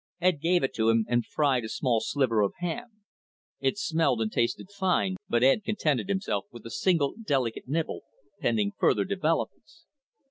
Ed gave it to him and fried a small sliver of ham. It smelled and tasted fine, but Ed contented himself with a single delicate nibble, pending further developments.